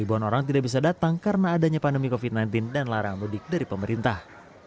ribuan orang tidak bisa datang karena adanya pandemi covid sembilan belas dan larangan mudik dari pemerintah